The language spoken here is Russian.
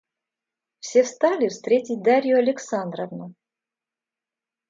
Все встали встретить Дарью Александровну.